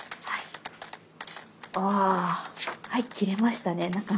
はい切れましたね中身。